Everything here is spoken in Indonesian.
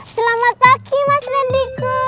selamat pagi mas randyku